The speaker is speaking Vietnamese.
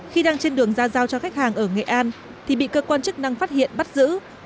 khi đang trên đường ra giao cho khách hàng ở nghệ an thì bị cơ quan chức năng phát hiện bắt giữ